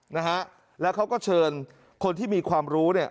นะฮะแล้วเขาก็เชิญคนที่มีความรู้เนี่ย